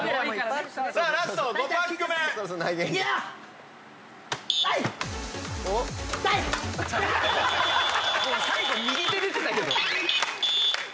最後右手出てたけど。